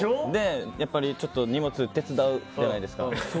やっぱり荷物手伝うじゃないですか。